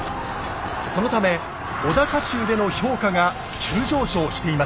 そのため織田家中での評価が急上昇していました。